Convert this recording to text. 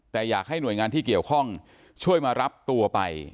แต่อยากให้หน่วยงานที่เกี่ยวข้องช่วยมารับตัวไป